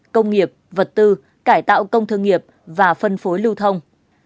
công nghiệp vật tư cải tạo công thương nghiệp và phân phối lưu thông